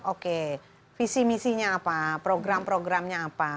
oke visi misinya apa program programnya apa